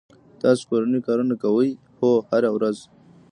تاسو کورنی کارونه کوئ؟ هو، هره ورځ